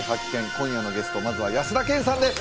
今夜のゲストまずは安田顕さんです